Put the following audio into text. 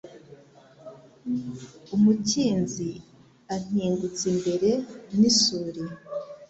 Umukinzi ampingutse imbere n'isuli,